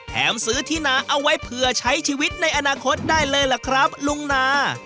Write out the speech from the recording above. ซื้อที่นาเอาไว้เผื่อใช้ชีวิตในอนาคตได้เลยล่ะครับลุงนา